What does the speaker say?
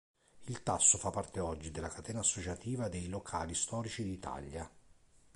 Il Tasso fa parte oggi della catena associativa dei "Locali Storici d'Italia".